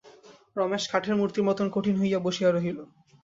রমেশ কাঠের মূর্তির মতো কঠিন হইয়া বসিয়া রহিল।